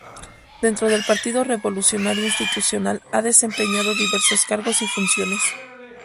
Dentro del Partido Revolucionario Institucional ha desempeñado diversos cargos y funciones.